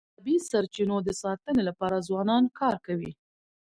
د طبیعي سرچینو د ساتنې لپاره ځوانان کار کوي.